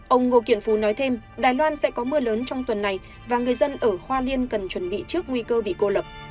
ông ngô kiện phú nói thêm đài loan sẽ có mưa lớn trong tuần này và người dân ở hoa liên cần chuẩn bị trước nguy cơ bị cô lập